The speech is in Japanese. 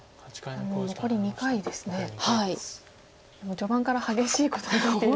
序盤から激しいことになってるので。